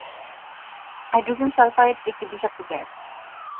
Hydrogen sulphide একটি বিষাক্ত gas.